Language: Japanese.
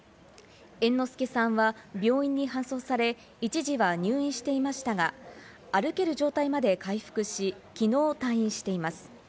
猿之助さんは病院に搬送され、一時は入院していましたが、歩ける状態まで回復し、きのう退院しています。